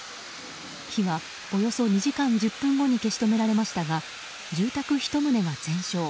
火は、およそ２時間１０分後に消し止められましたが住宅１棟が全焼。